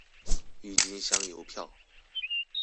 鬱金香郵票